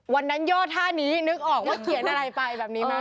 อ๋อวันนั้นยอดท่านี้นึกออกว่าเขียนอะไรไปแบบนี้มั้ย